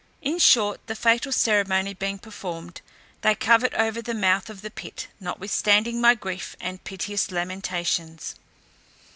In short, the fatal ceremony being performed, they covered over the mouth of the pit, notwithstanding my grief and piteous lamentations.